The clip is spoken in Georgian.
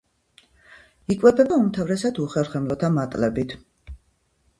იკვებება უმთავრესად უხერხემლოთა მატლებით.